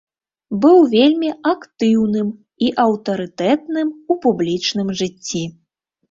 Быў вельмі актыўным і аўтарытэтным у публічным жыцці.